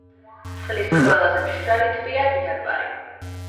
წლის ყველაზე მშრალი თვეა იანვარი.